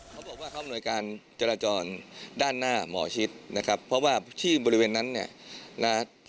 เขาบอกว่ามนการจราจรด้านหน้าหมอชิทบาท์นะคะเพราะว่าที่บริเวณนั้นเนี่ย